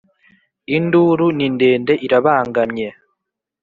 Induru ni ndende irabangamye